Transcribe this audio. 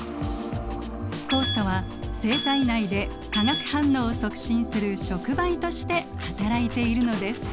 酵素は生体内で化学反応を促進する触媒としてはたらいているのです。